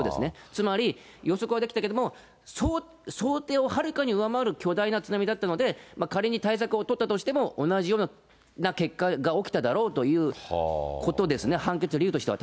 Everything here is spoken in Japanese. つまり、予測はできたけれども、想定をはるかに上回る巨大な津波だったので、仮に対策を取ったとしても、同じような結果が起きただろうということですね、判決理由としては。